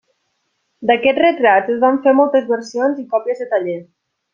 D'aquests retrats es van fer moltes versions i còpies de taller.